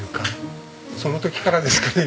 その時からですかね？